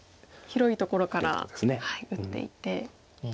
広いところから打っていて。